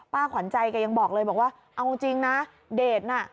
ขวัญใจแกยังบอกเลยบอกว่าเอาจริงนะเดชน่ะ